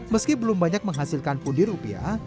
meski belum banyak menghasilkan pundir rupiah